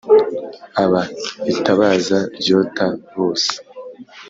Aba itabaza ryota bose.